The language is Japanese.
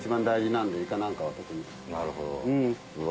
なるほど。